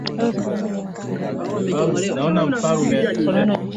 viongozi wengi walikana kuhusika katika mauaji ya kimbari